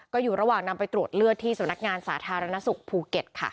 ก็อยู่ระหว่างนำไปตรวจเลือดที่สำนักงานสาธารณสุขภูเก็ตค่ะ